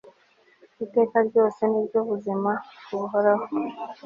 iteka ryose, niryo buzima buhoraho